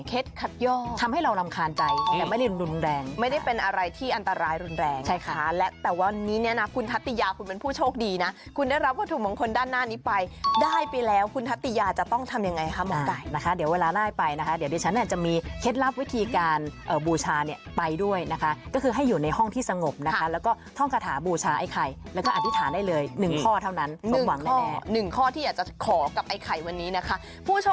เคล็ดขัดย่อทำให้เรารำคาญใจแต่ไม่ได้รุนแรงไม่ได้เป็นอะไรที่อันตรายรุนแรงใช่ค่ะแต่วันนี้นะคุณธัตติยาคุณเป็นผู้โชคดีนะคุณได้รับวัตถุมงคลด้านหน้านี้ไปได้ไปแล้วคุณธัตติยาจะต้องทำยังไงคะหมองไก่นะคะเดี๋ยวเวลาน่ายไปนะคะเดี๋ยวดิฉันเนี่ยจะมีเคล็ดรับวิธีการบูชาเนี่ยไปด้วยนะคะก็